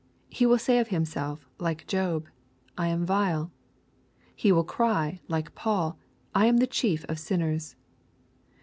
He will say of himself, like Job, " I am vile." He will cry, like Paul, " I am chief of sin ners."